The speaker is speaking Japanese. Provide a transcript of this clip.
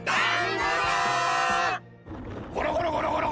ゴロゴロゴロゴロゴロ！